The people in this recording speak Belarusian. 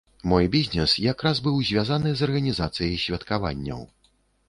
Мой бізнес якраз быў звязаны з арганізацыяй святкаванняў.